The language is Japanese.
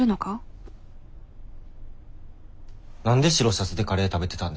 何で白シャツでカレー食べてたんですか？